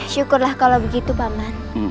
syukurlah kalau begitu paman